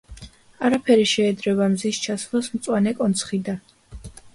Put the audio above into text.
არაფერი შეედრება მზის ჩასვლას მწვანე კონცხიდან.